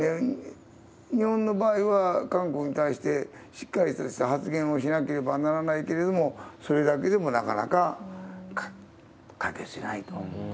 日本の場合は、韓国に対してしっかりとした発言をしなければならないけれども、それだけでもなかなか解決しないと。